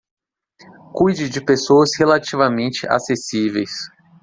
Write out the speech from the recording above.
Cuide de pessoas relativamente acessíveis